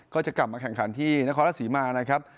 ก็จะกลับมาแข่งขันที่นครราชศรีมานะครับ